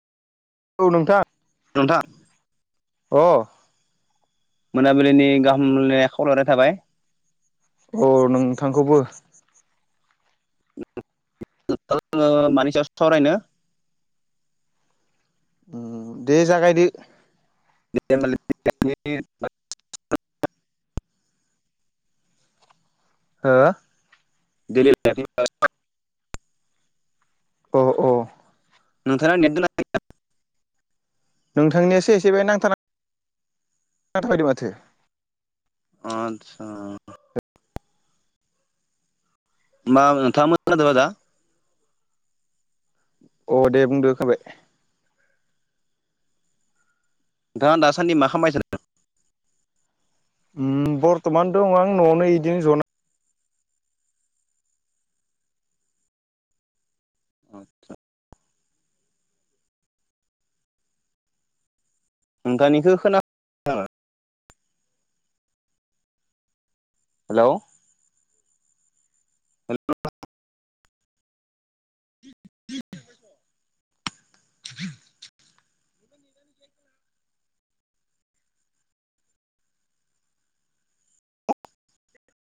औ नोंथां नोंथां अह मोनाबिलिनि गाहाम खावलायहरनाय थाबाय अ नोंथांखौबो [unintelligible] मानि सायाव सावरायनो दे जागायदो [inaudible] हो? [unintelligible] अ अ। नोंथांन नेट नोंथांनियासो एसे बाय नांथा [unintelligible] माथो आदसा- ओमबा [unintelligible] अ दे बुंदो [unintelligible] नोंथाङा दा दासान्दि मा खालामबाय थादो ओम बर्तमान दं आं नआवनो इदिनो जना आतसा नोंथांनिखौ खोना हेल'। हेल'।